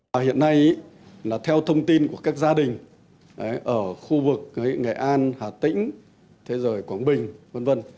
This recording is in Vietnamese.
hiện nay theo thông tin của các gia đình ở khu vực nghệ an hà tĩnh thế giới quảng bình v v